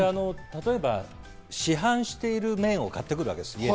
例えば、市販している麺を買ってくるわけです。